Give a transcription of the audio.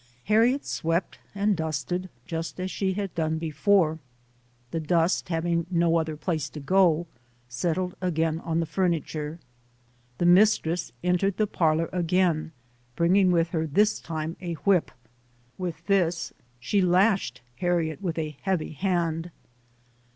Har riet swept and dusted just as she had done before. The dust, having no other place to go, settled again on the furniture. The mistress en tered the parlor again, bringing with her this time a whip. With this she lashed Harriet with a heavy hand.